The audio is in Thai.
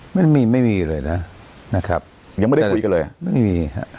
ไม่มีไม่มีเลยนะนะครับยังไม่ได้คุยกันเลยอ่ะไม่มีฮะ